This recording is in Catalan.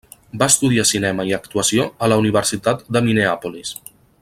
Va estudiar cinema i actuació a la Universitat de Minneapolis.